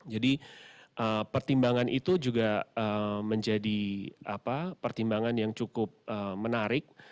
jadi pertimbangan itu juga menjadi pertimbangan yang cukup menarik